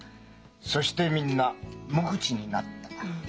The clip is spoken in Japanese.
そしてみんな無口になった。